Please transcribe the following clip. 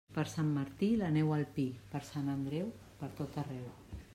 Per Sant Martí, la neu al pi; per Sant Andreu, pertot arreu.